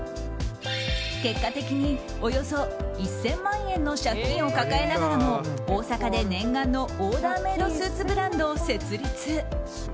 結果的に、およそ１０００万円の借金を抱えながらも大阪で念願のオーダーメイドスーツブランドを設立。